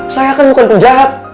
saya kan bukan penjahat